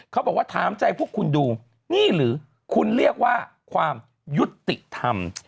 เขาบอกว่าถามใจพวกคุณดูนี่หรือคุณเรียกว่าความยุติธรรม